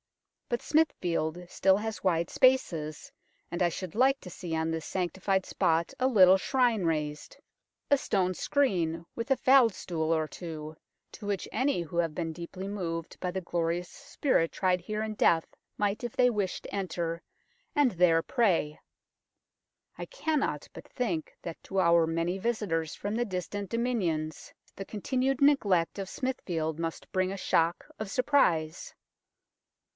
But Smithfield still has wide spaces, and I should like to see on this sanctified spot a little shrine raised, a stone i88 UNKNOWN LONDON screen with a f aid stool or two, to which any who have been deeply moved by the glorious spirit tried here in death might if the}' wished enter, and there pray. I cannot but think that to our many visitors from the distant Dominions the continued neglect of Smithfield must bring a shock of surprise.